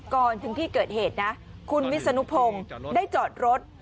ก่อนถึงที่เกิดเหตุนะคุณวิศนุพงศ์ได้จอดรถ